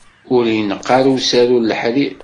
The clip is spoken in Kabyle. Ur ineqq ara usaru n leḥrir.